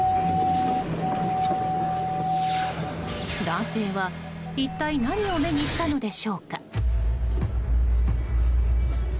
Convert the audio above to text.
男性は一体、何を目にしたのでしょうか？